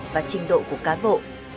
và trình độ của cán bộ